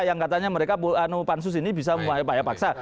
yang katanya mereka pansus ini bisa upaya paksa